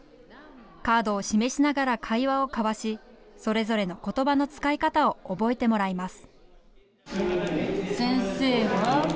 カードを示しながら会話を交わし、それぞれのことばの使い方を覚えてもらいます。